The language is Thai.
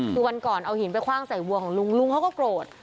คือวันก่อนเอาหินไปคว่างใส่วัวของลุงลุงเขาก็โกรธ